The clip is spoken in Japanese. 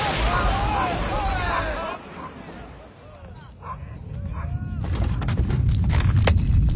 あっ。